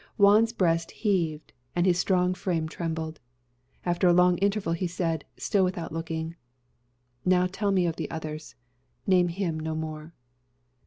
_" Juan's breast heaved and his strong frame trembled. After a long interval he said, still without looking, "Now tell me of the others. Name him no more."